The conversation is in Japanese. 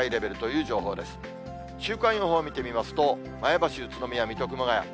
週間予報見てみますと、前橋、宇都宮、水戸、熊谷。